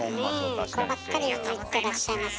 こればっかり言ってらっしゃいます。